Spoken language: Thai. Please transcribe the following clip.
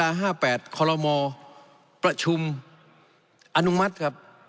ลักษณะ๕๘คอลโลมอประชุมอนุมัติครับ